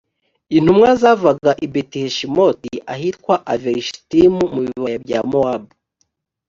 intumwa zavaga i beti-heshimoti ahitwa avelishitimu mu bibaya bya mowabu.